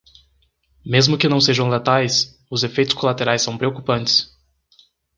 Mesmo que não sejam letais, os efeitos colaterais são preocupantes.